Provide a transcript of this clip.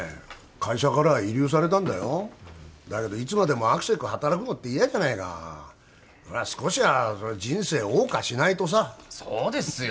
会社からは慰留されたんだよだけどいつまでもあくせく働くのって嫌じゃないか少しはそりゃ人生謳歌しないとさそうですよ